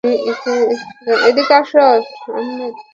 আপনি ইরফান আহমেদ।